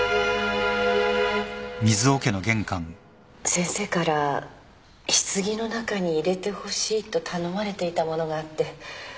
先生から棺の中に入れてほしいと頼まれていたものがあって。